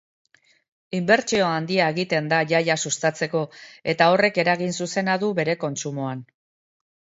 Inbertsio handia egiten da jaia sustatzeko eta horrek eragin zuzena du bere kontsumoan.